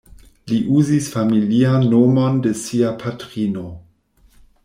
Li uzis familian nomon de sia patrino.